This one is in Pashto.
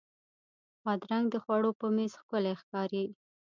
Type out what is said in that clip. بادرنګ د خوړو په میز ښکلی ښکاري.